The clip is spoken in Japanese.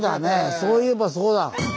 そういえばそうだ。